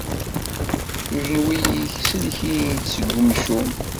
S ujenwi-ik, sellek-iyi seg umcum!